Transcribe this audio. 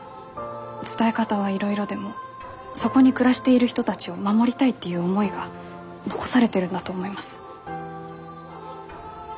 伝え方はいろいろでもそこに暮らしている人たちを守りたいっていう思いが残されてるんだと思います。